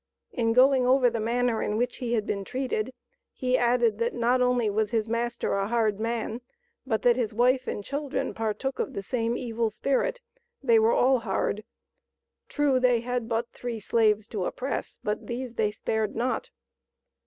In going over the manner in which he had been treated, he added that not only was his master a hard man, but that his wife and children partook of the same evil spirit; "they were all hard." True, they had but three slaves to oppress, but these they spared not.